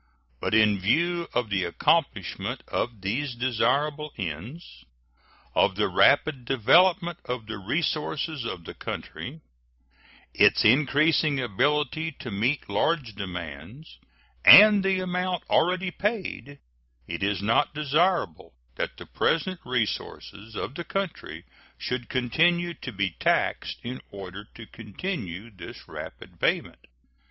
But in view of the accomplishment of these desirable ends; of the rapid development of the resources of the country; its increasing ability to meet large demands, and the amount already paid, it is not desirable that the present resources of the country should continue to be taxed in order to continue this rapid payment.